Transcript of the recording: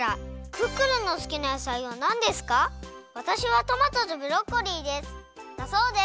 「クックルンの好きな野菜はなんですか？わたしはトマトとブロッコリーです」だそうです。